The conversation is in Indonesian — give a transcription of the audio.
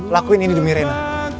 lakuin ini demi rena